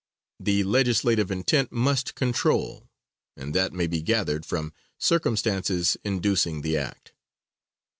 The legislative intent must control, and that may be gathered from circumstances inducing the act.